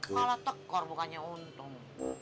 malah tekor bukannya untung